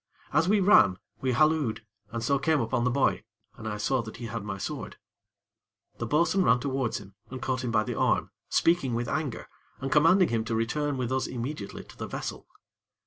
As we ran, we hallooed, and so came upon the boy, and I saw that he had my sword. The bo'sun ran towards him, and caught him by the arm, speaking with anger, and commanding him to return with us immediately to the vessel.